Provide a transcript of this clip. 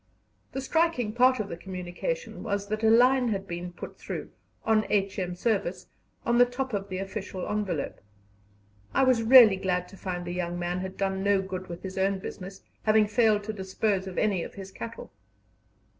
The striking part of the communication was that a line had been put through "On H.M. Service" on the top of the official envelope. I was really glad to find the young man had done no good with his own business, having failed to dispose of any of his cattle.